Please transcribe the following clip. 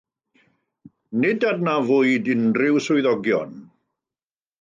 Ni anafwyd unrhyw swyddogion.